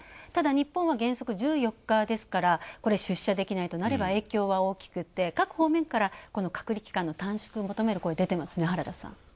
ただ日本は原則、１４日ですから出社できないとなれば影響は大きくて、各方面から隔離期間の短縮を求める声が出てますね、原田さん。